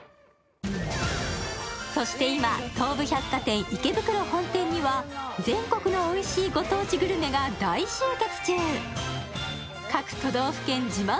そして今、東武百貨店池袋本店には、全国のおいしいご当地グルメが大集結中。